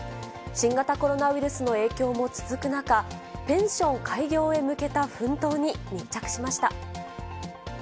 新型コロナウイルスの影響も続く中、ペンション開業へ向けた奮闘に密着しました。